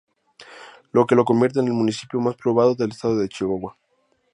Lo que lo convierte en el municipio más poblado del estado de Chihuahua.